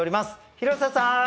廣瀬さん！